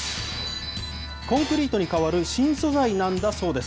コンクリートに代わる新素材なんだそうです。